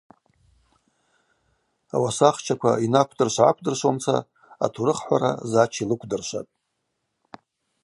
Ауасахчаква йнаквдрышв-гӏаквдрышвуамца атурыххӏвара Зач йлыквдыршватӏ.